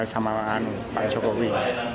sama sama pak jokowi